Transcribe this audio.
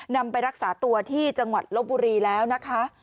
นำไปรักษาตัวที่จังหวัดลบบุรีแล้วนะคะ